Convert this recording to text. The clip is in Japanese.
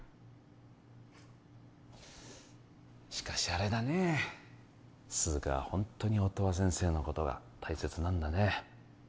しかしあれだねえ涼香はホントに音羽先生のことが大切なんだね